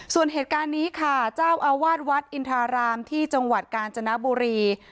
ส่วนเหตุการณ์นี้ค่ะเจ้าอาวาสวัดอินทรารามที่จังหวัดกาญจนบุรี